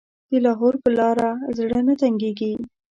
د لاهور په لاره زړه نه تنګېږي.